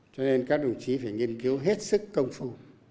cho nên các đồng chí phải nghiên cứu hết sức công phu